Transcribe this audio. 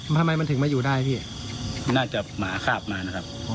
ทำไมมันถึงมาอยู่ได้พี่น่าจะหมาข้าบมานะครับ